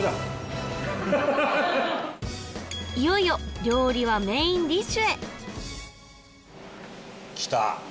いよいよ料理はメインディッシュへきた